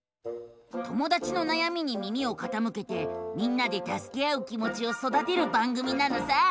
友だちのなやみに耳をかたむけてみんなでたすけ合う気もちをそだてる番組なのさ！